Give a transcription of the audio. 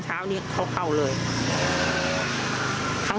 แสนหกเออจากนั้น